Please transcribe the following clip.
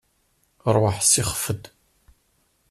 Ṛwaḥ, sixef-d.